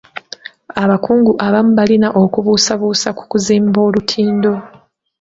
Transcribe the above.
Abakungu abamu balina okubuusabuusa ku kuzimba olutindo.